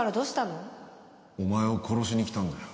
お前を殺しに来たんだよ。